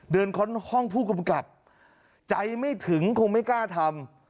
ค้นห้องผู้กำกับใจไม่ถึงคงไม่กล้าทำ